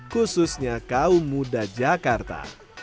khususnya kaum muda jakarta